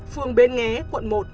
phường bến nghé quận một